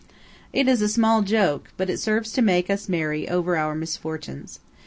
It is a small joke; but it serves to make us merry over our misfortunes.